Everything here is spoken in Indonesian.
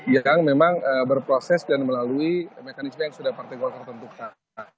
yang memang berproses dan melalui mekanisme yang sudah partai golkar tentukan